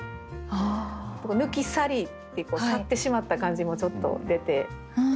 「抜き去り」って去ってしまった感じもちょっと出て。